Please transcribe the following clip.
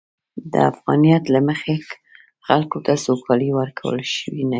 د افغانیت له مخې، خلکو ته سوکالي ورکول شوې نه ده.